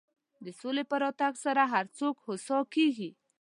د سولې په راتګ سره هر څوک هوسا کېږي.